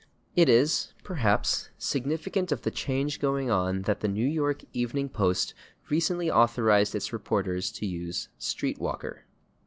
It is, perhaps, significant of the change going on that the /New York Evening Post/ [Pg128] recently authorized its reporters to use /street walker